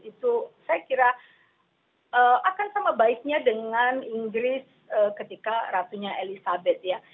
itu saya kira akan sama baiknya dengan inggris ketika ratunya elizabeth ya